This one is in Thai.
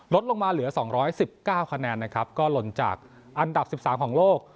ลดลงมาเหลือสองร้อยสิบเก้าคะแนนนะครับก็ลนจากอันดับสิบสามของโลก